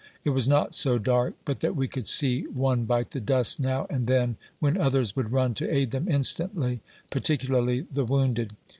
It was not so dark but that we could see one bite the dust now and then, when others would run to aid them instantly, particular ly the wounded.